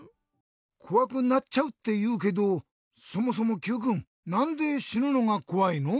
こわくなっちゃうっていうけどそもそもＱくんなんでしぬのがこわいの？